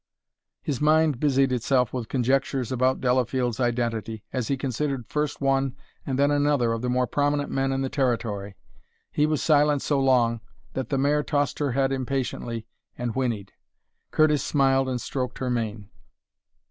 His mind busied itself with conjectures about Delafield's identity, as he considered first one and then another of the more prominent men in the Territory. He was silent so long that the mare tossed her head impatiently and whinnied. Curtis smiled and stroked her mane.